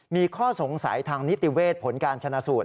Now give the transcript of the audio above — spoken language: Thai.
มีข้อสงสัยทางนิติเวศผลการชนะสูตร